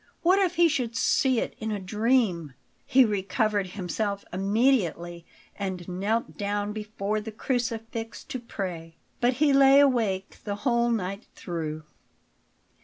What if he should see it in a dream? He recovered himself immediately and knelt down before the crucifix to pray. But he lay awake the whole night through.